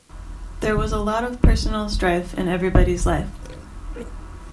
There was a lot of personal strife in everybody's life.